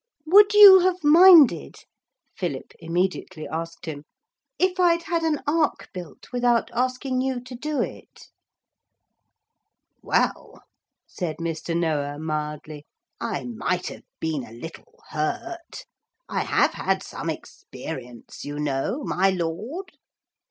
'Would you have minded,' Philip immediately asked him, 'if I'd had an ark built without asking you to do it?' 'Well,' said Mr. Noah mildly, 'I might have been a little hurt. I have had some experience, you know, my Lord.'